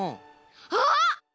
あっ！